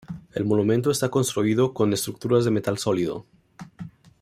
El monumento está construido con estructuras de metal sólido.